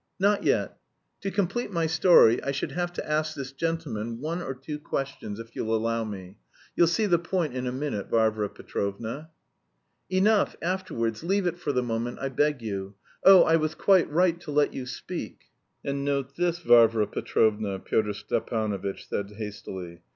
"Not yet; to complete my story I should have to ask this gentleman one or two questions if you'll allow me... you'll see the point in a minute, Varvara Petrovna." "Enough, afterwards, leave it for the moment I beg you. Oh, I was quite right to let you speak!" "And note this, Varvara Petrovna," Pyotr Stepanovitch said hastily.